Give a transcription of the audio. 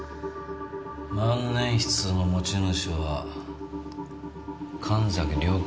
万年筆の持ち主は神崎涼子か。